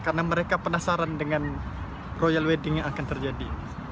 karena mereka penasaran dengan royal wedding yang akan terjadi